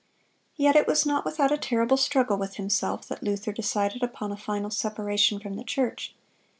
(194) Yet it was not without a terrible struggle with himself that Luther decided upon a final separation from the church.